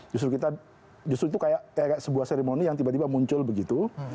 justru kita justru itu kayak sebuah seremoni yang tiba tiba muncul begitu